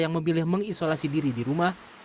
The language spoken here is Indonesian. yang memilih mengisolasi diri di rumah